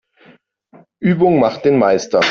Übung macht den Meister.